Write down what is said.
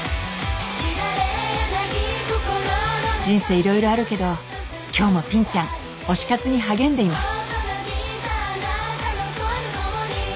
人生いろいろあるけど今日もぴんちゃん推し活に励んでいます。